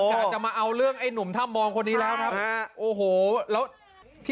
คือกาจะมาเอาเรื่องไอ้หนุ่มธรรมบองนี่นะครับ